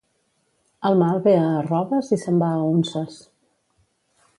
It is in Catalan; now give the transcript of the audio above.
El mal ve a arroves i se'n va a unces.